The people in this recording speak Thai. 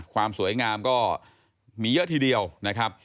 ความสวยงามก็มีเยอะทีเดียวนะครับ